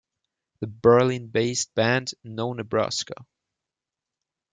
The Berlin-based band No Nebraska!